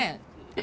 え